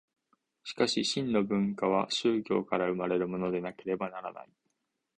しかし真の文化は宗教から生まれるものでなければならない。